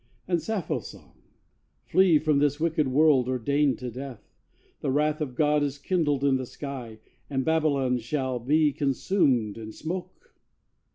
And Sappho's song! Flee from this wicked world ordained to death! The wrath of God is kindled in the sky, And Babylon shall be consumed in smoke!